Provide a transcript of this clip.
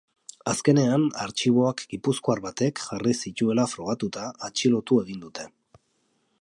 Azkenean artxiboak gipuzkoar batek jarri zituela frogatuta, atxilotu egin dute.